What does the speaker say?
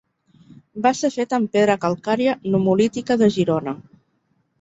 Va ser feta amb pedra calcària nummulítica de Girona.